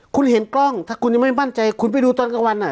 คุณเห็นกล้องถ้าคุณยังไม่มั่นใจคุณไปดูตอนกลางวัน